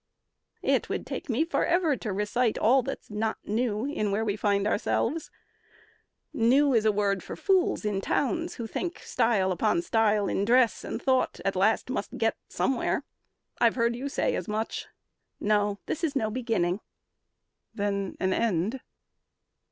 "It would take me forever to recite All that's not new in where we find ourselves. New is a word for fools in towns who think Style upon style in dress and thought at last Must get somewhere. I've heard you say as much. No, this is no beginning." "Then an end?"